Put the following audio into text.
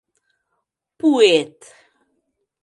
Пуэт!